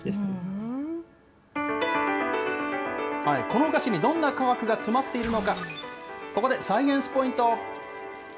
このお菓子にどんな科学が詰まっているのか、ここでサイエンスポイント。